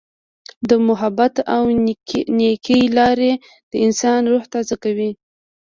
د محبت او نیکۍ لارې د انسان روح تازه کوي.